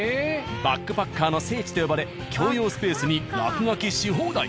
バックパッカーの聖地と呼ばれ共用スペースに落書きし放題！